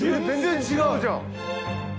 全然違うじゃん！